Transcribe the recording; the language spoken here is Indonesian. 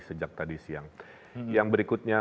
sejak tadi siang yang berikutnya